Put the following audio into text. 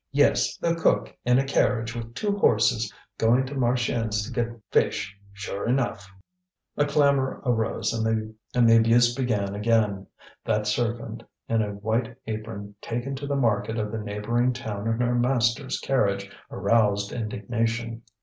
Yes, the cook in a carriage with two horses, going to Marchiennes to get fish, sure enough!" A clamour arose, and the abuse began again. That servant in a white apron taken to the market of the neighbouring town in her master's carriage aroused indignation.